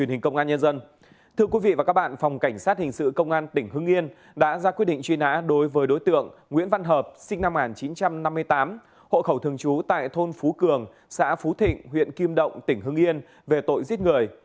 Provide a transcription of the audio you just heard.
hội khẩu thường chú tại thôn phú cường xã phú thịnh huyện kim động tỉnh hưng yên về tội giết người